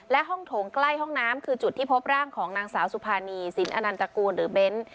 และห้องโถงใกล้ห้องน้ำคือจุดที่พบร่างของนางสาวสุภานีสินอนันตกูลหรือเบ้น